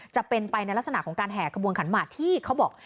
จะเป็นไปในลักษณะของการแห่ขบวนขันหมากที่เขาบอก